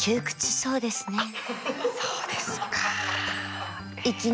そうですか。